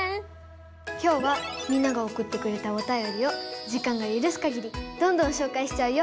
きょうはみんながおくってくれたおたよりを時間のゆるすかぎりどんどん紹介しちゃうよ！